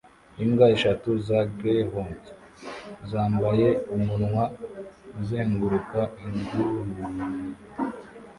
Imbwa eshatu za greyhound zambaye umunwa uzenguruka inguni